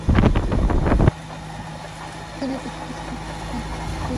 তিনি তখন স্নানে বাহির হইবার উপক্রম করিতেছিলেন।